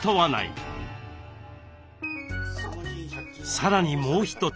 さらにもう一つ。